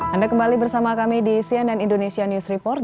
anda kembali bersama kami di cnn indonesia news report